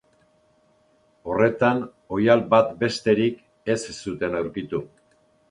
Horretan oihal bat besterik ez zuten aurkitu.